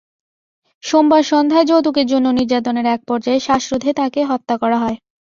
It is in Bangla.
সোমবার সন্ধ্যায় যৌতুকের জন্য নির্যাতনের একপর্যায়ে শ্বাসরোধে তাঁকে হত্যা করা হয়।